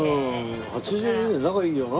８２年仲いいよな。